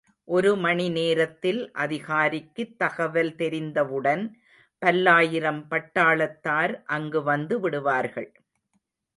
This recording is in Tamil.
ஒரு மணி நேரத்தில் அதிகாரிக்குத் தகவல் தெரிந்தவுடன் பல்லாயிரம் பட்டாளத்தார் அங்கு வந்து விடுவார்கள்.